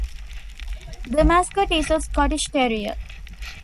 The mascot is a Scottish Terrier.